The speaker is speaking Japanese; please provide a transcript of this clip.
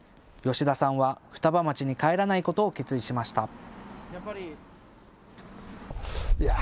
吉田さんは双葉町に帰らないことを決意しました。